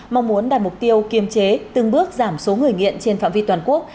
mong muốn đạt mục tiêu kiềm chế từng bước giảm số người nghiện trên phạm vi toàn quốc